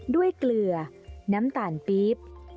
เกลือน้ำตาลปี๊บ